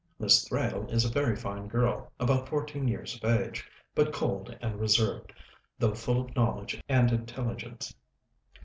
Miss Thrale is a very fine girl, about fourteen years of age, but cold and reserved, though full of knowledge and intelligence.